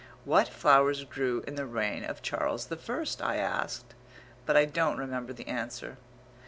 What flowers grew in the reign of Charles the First?" I asked (but I don't remember the answer).